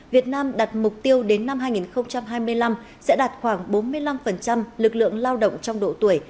việt nam đặt mục tiêu đến năm hai nghìn hai mươi năm sẽ đạt khoảng bốn mươi năm lực lượng lao động trong độ tuổi